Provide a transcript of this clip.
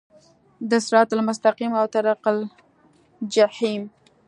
د صراط المستقیم او طریق الجحیم